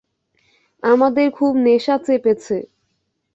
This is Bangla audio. আমাদের খুব নেশা চেপেছে!